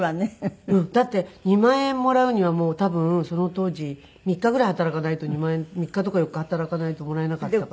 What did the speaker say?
だって２万円もらうにはもう多分その当時３日ぐらい働かないと２万円３日とか４日働かないともらえなかったから。